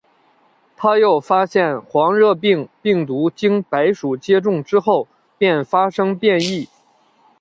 他又发现黄热病病毒经白鼠接种之后便发生变异。